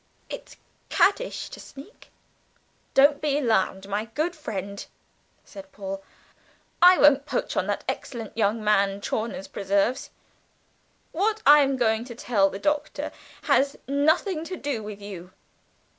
It's caddish to sneak!" "Don't be alarmed, my good friend," said Paul; "I won't poach on that excellent young man Chawner's preserves. What I am going to tell the Doctor has nothing to do with you."